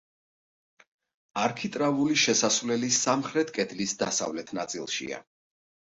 არქიტრავული შესასვლელი სამხრეთ კედლის დასავლეთ ნაწილშია.